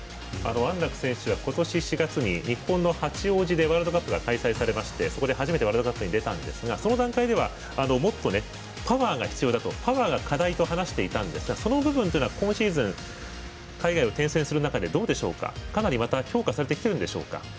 安楽選手は今年４月に日本の八王子でワールドカップが開催されましてそこで初めてワールドカップに出たんですがその段階ではもっとパワーが必要だとパワーが課題と話していたんですがその部分というのは今シーズン、海外を転戦する中でかなり、また強化されてきているんでしょうか。